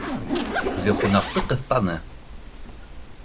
Үҙе ҡунаҡты ҡыҫтаны